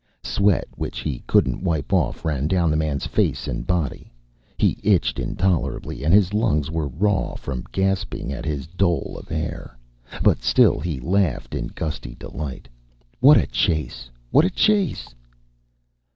Sweat which he couldn't wipe off ran down the man's face and body. He itched intolerably, and his lungs were raw from gasping at his dole of air. But still he laughed in gusty delight. What a chase! What a chase!